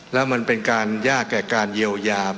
แล้วมันเป็นการยากแก่การเยียวยา